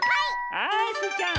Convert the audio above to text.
はいスイちゃん。